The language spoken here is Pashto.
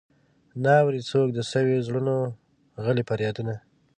نه اوري څوک د سويو زړونو غلي فريادونه.